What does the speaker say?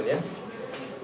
empat bungkus itu